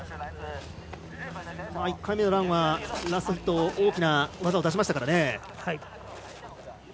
１回目のランはラストヒットで大きな技を出しましたからね。